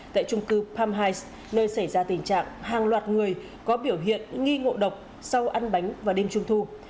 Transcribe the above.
tại trung cư palm height nơi xảy ra tình trạng hàng loạt người có biểu hiện nghi ngộ độc sau ăn bánh vào đêm trung thu